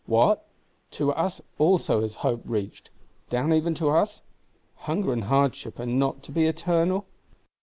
What! To us also has hope reached; down even to us? Hunger and hardship are not to be eternal?